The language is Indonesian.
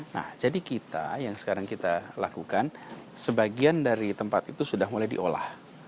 nah jadi kita yang sekarang kita lakukan sebagian dari tempat itu sudah mulai diolah